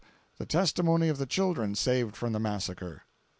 The testimony of the children saved from the massacre.